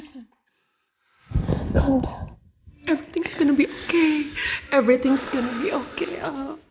semuanya akan baik baik saja